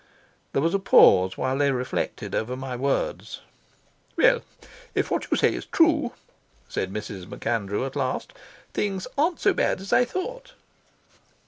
There was a pause while they reflected over my words. "Well, if what you say is true," said Mrs. MacAndrew at last, "things aren't so bad as I thought."